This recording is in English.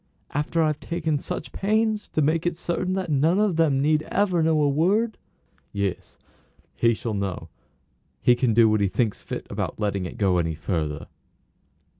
"After I've taken such pains to make it certain that none of them need ever know a word?" "Yes; he shall know; he can do what he thinks fit about letting it go any further."